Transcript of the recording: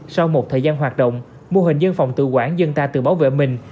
sau một thời gian hoạt động mô hình dân phòng tự quản dân ta tự bảo vệ mình